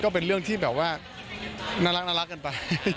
ก็เป็นเรื่องที่แบบว่าน่ารักกันไป